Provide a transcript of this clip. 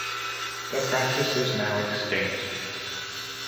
The practice is now extinct.